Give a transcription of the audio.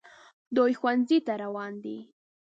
دوی ښوونځي ته روان دي